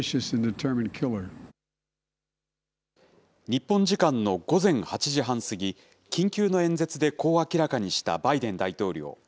日本時間の午前８時半過ぎ、緊急の演説でこう明らかにしたバイデン大統領。